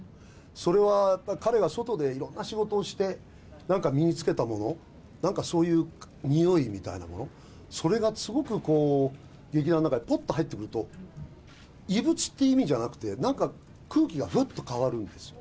それはやっぱり、彼が外でいろんな仕事をして、なんか身につけたもの、なんかそういうにおいみたいなもの、それがすごくこう、劇団の中にぽっと入ってくると、異物っていう意味じゃなくて、なんか空気がふっと変わるんですよ。